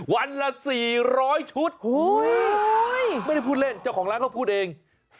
วันละ๔๐๐ชุดไม่ได้พูดเล่นเจ้าของร้านเขาพูดเอง